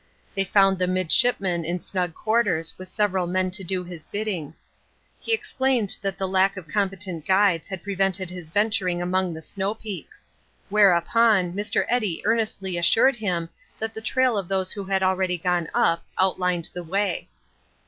They found the midshipman in snug quarters with several men to do his bidding. He explained that the lack of competent guides had prevented his venturing among the snow peaks. Whereupon, Mr. Eddy earnestly assured him that the trail of those who had already gone up outlined the way.